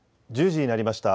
１０時になりました。